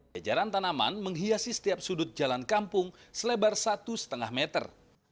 jajaran tanaman menghiasi setiap sudut jalan kampung selebar satu lima meter